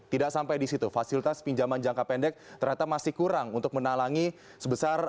tidak sampai di situ fasilitas pinjaman jangka pendek ternyata masih kurang untuk menalangi sebesar